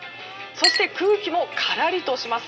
そして空気もからりとします。